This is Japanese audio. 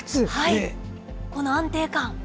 この安定感。